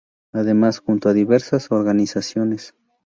Además, junto a diversas organizaciones.